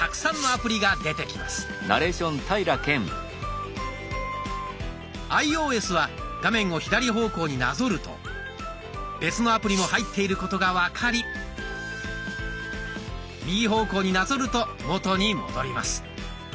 アイオーエスは画面を左方向になぞると別のアプリも入っていることが分かり右方向になぞると元に戻ります。